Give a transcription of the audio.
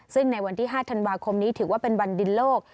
ซึ่งในวันที่๕ธันวาคมนี้ถือว่าเป็นวันดินโลก